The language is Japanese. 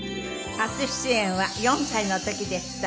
初出演は４歳の時でした。